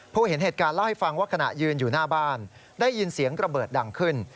เห็นเหตุการณ์เล่าให้ฟังว่าขณะยืนอยู่หน้าบ้านได้ยินเสียงระเบิดดังขึ้น